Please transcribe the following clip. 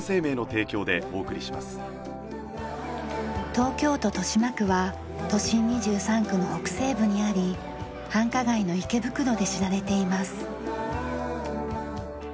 東京都豊島区は都心２３区の北西部にあり繁華街の池袋で知られています。